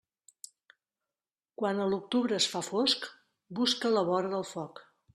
Quan a l'octubre es fa fosc, busca la vora del foc.